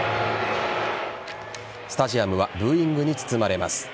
スタジアムはブーイングに包まれます。